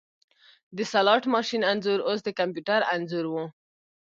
د سلاټ ماشین انځور اوس د کمپیوټر انځور و